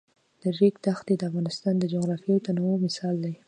د ریګ دښتې د افغانستان د جغرافیوي تنوع مثال دی.